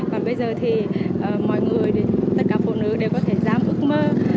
còn bây giờ thì mọi người tất cả phụ nữ đều có thể dám ước mơ